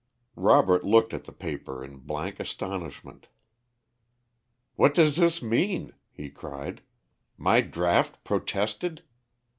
Robert looked at the paper in blank astonishment. "What does this mean?" he cried; "my draft protested!